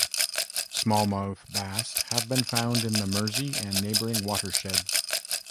Smallmouth bass has been found in the Mersey and neighbouring watersheds.